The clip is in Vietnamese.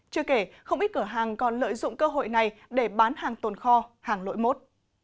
chưa kể không ít cửa hàng còn lợi dụng cơ hội này để bán hàng tồn kho hàng lỗi mốt